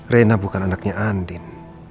reina bukan anaknya andin